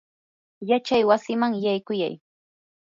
yachaywasiman yaykuyay.